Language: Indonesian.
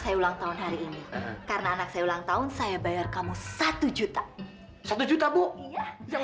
saya ulang tahun hari ini karena anak saya ulang tahun saya bayar kamu satu juta satu juta bu iya